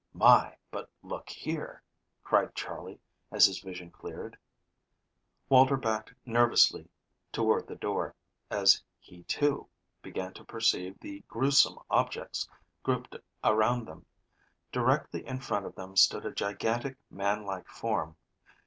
"My, but look here!" cried Charley, as his vision cleared. Walter backed nervously toward the door, as he, too, began to perceive the grewsome objects grouped around them. Directly in front of them stood a gigantic, man like form.